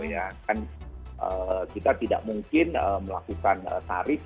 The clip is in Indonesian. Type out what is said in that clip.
yang kan kita tidak mungkin melakukan tarif